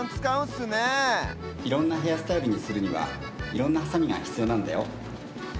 いろんなヘアスタイルにするにはいろんなハサミがひつようなんだよ。